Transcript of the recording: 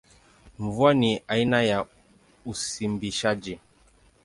Mvua ni aina ya usimbishaji.